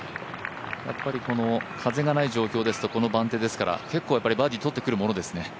風がない状況でこの番手ですから結構バーディーとってきますね。